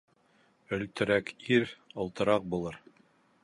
Өлтөрәк ир олтораҡ булыр.